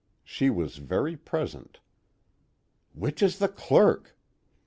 She was very present. ("_Which is the Clerk?